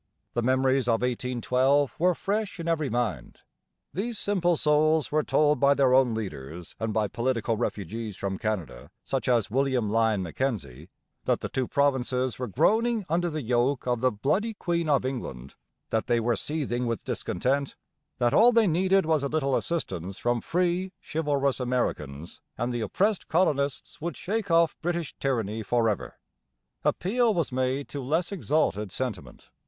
The memories of 1812 were fresh in every mind. These simple souls were told by their own leaders and by political refugees from Canada, such as William Lyon Mackenzie, that the two provinces were groaning under the yoke of the 'bloody Queen of England,' that they were seething with discontent, that all they needed was a little assistance from free, chivalrous Americans and the oppressed colonists would shake off British tyranny for ever. Appeal was made to less exalted sentiment.